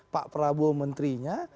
pak prabowo menterinya